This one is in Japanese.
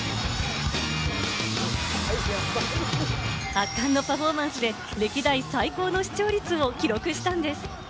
圧巻のパフォーマンスで歴代最高の視聴率を記録したんです。